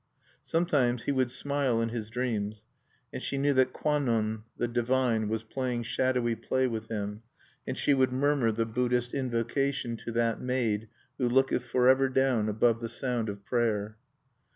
Sometimes he would smile in his dreams; and she knew that Kwannon the divine was playing shadowy play with him, and she would murmur the Buddhist invocation to that Maid "who looketh forever down above the sound of prayer."